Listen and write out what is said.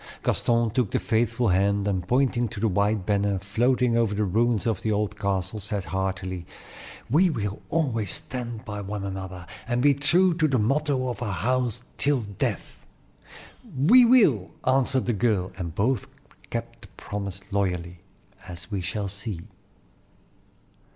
Gaston took the faithful hand, and pointing to the white banner floating over the ruins of the old castle, said heartily: "We will always stand by one another, and be true to the motto of our house till death." "We will!" answered the girl, and both kept the promise loyally, as we shall see.